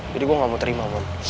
jadi gue nggak mau terima mon